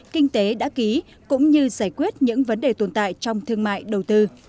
kinh tế đã ký cũng như giải quyết những vấn đề tồn tại trong thương mại đầu tư